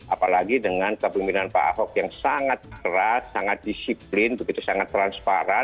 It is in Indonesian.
apalagi dengan kepemimpinan pak ahok yang sangat keras sangat disiplin begitu sangat transparan